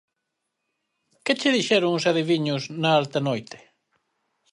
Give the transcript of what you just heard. ¿Que che dixeron os adiviños na alta noite?